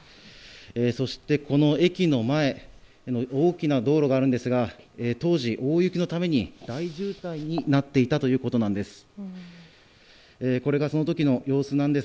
そして、この駅の前大きな道路があるんですが当時、大雪のために大渋滞になっていたということです。